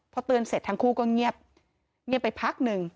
พอเตือนเสร็จทั้งคู่ก็เงียบเงียบไปพักหนึ่ง